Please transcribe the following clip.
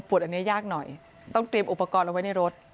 อันนี้ยากหน่อยต้องเตรียมอุปกรณ์เอาไว้ในรถ